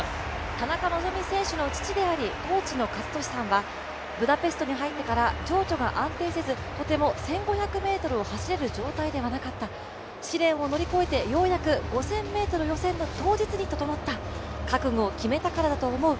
田中希実選手の父であり、コーチの健智さんはブダペストに入ってから情緒が安定せず、とても１５００ｍを走れる状態ではなかった試練を乗り越えてようやく５０００ｍ予選の当日に整った、覚悟を決めたからだと思う